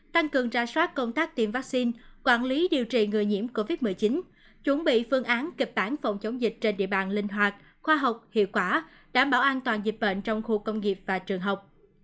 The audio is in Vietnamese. tăng cường ra soát công tác tiêm vaccine quản lý điều trị người nhiễm covid một mươi chín chuẩn bị phương án kịch bản phòng chống dịch trên địa bàn linh hoạt khoa học hiệu quả đảm bảo an toàn dịch bệnh trong khu công nghiệp và trường học